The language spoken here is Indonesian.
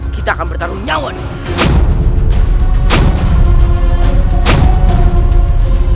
kita akan bertarung nyawa nih